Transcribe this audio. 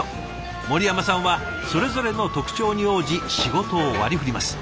森山さんはそれぞれの特徴に応じ仕事を割りふります。